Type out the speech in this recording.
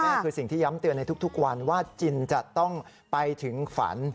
นี่คือสิ่งที่ย้ำเตือนในทุกวันว่าจินจะต้องไปถึงฝัน